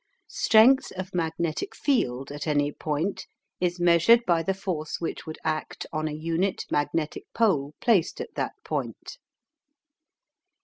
STRENGTH OF MAGNETIC FIELD at any point is measured by the force which would act on a unit magnetic pole placed at that point.